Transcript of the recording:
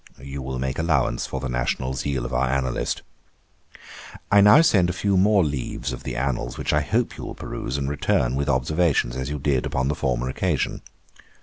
You will make allowance for the national zeal of our annalist. I now send a few more leaves of the Annals, which I hope you will peruse, and return with observations, as you did upon the former occasion.